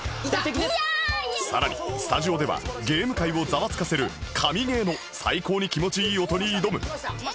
さらにスタジオではゲーム界をざわつかせる神ゲーの最高に気持ちいい音に挑む